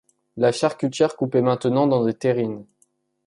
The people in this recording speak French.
La charcutière coupait maintenant dans des terrines.